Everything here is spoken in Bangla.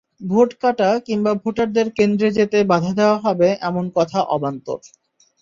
ভোট কাটা কিংবা ভোটারদের কেন্দ্রে যেতে বাধা দেওয়া হবে, এমন কথা অবান্তর।